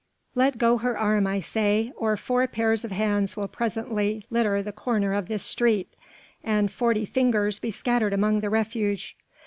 Let go her arm I say or four pairs of hands will presently litter the corner of this street, and forty fingers be scattered amongst the refuse.